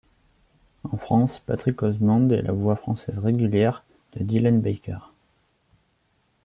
En France, Patrick Osmond est la voix française régulière de Dylan Baker.